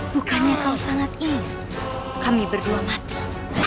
bukannya kau sangat ingin kami berdua mati